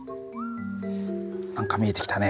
何か見えてきたね。